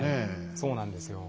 そうなんですよ。